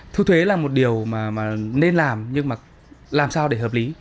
thu thuế là một điều mà nên làm nhưng mà làm sao để hợp lý